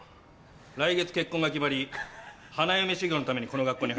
来月結婚が決まり花嫁修業のためにこの学校に入ったんだ。